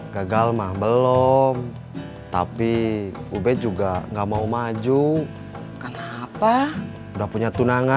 kalau ubet mah pacaran aja belum